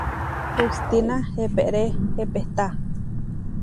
Hustína eeperé epehtá.